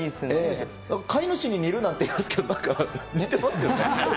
飼い主に似るなんて言いますけど、なんか似てますよね。